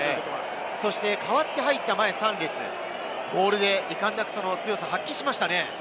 代わって入った前３列、モールでいかんなく強さを発揮しましたね。